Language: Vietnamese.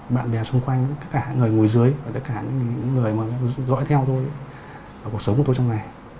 bạn bè xung quanh cả người ngồi dưới cả những người dõi theo tôi cuộc sống của tôi trong này